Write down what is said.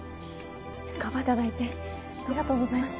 かばっていただいてどうもありがとうございました。